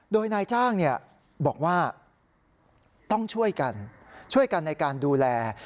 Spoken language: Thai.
โดยนายจ้างบอกว่าต้องช่วยกันช่วยกันในการดูแล